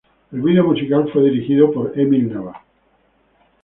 El vídeo musical fue dirigido por Emil Nava.